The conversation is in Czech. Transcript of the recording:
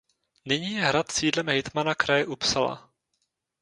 Nyní je hrad sídlem hejtmana kraje Uppsala.